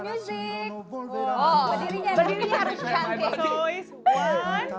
dia akan mengajar kami semua kita semua kita